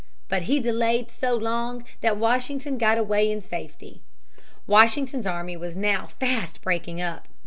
But he delayed so long that Washington got away in safety. Washington's army was now fast breaking up.